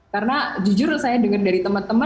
karena jujur saya dengar dari teman teman